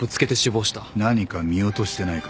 何か見落としてないか？